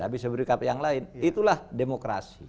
bisa berikap yang lain itulah demokrasi